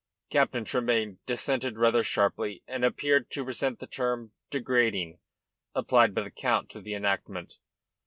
Captain Tremayne dissented rather sharply, and appeared to resent the term 'degrading' applied by the Count to the enactment.